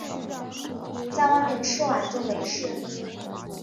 在外面吃完就没事